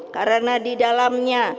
karena di dalamnya